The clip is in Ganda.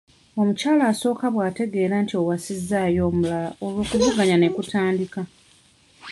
Omukyala asooka bw'ategeera nti owasizzaayo omulala olwo okuvuganya ne kutandika.